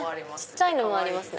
小っちゃいのもありますね。